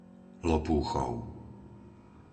Lopúchov